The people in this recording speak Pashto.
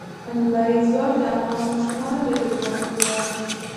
لمریز ځواک د افغان ماشومانو د لوبو موضوع ده.